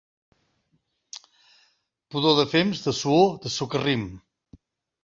Pudor de fems, de suor, de socarrim.